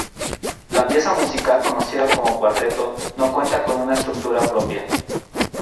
La pieza musical conocida como cuarteto no cuenta con una estructura propia.